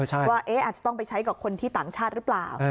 ว่าอาจจะต้องไปใช้กับคนที่ต่างชาติหรือเปล่า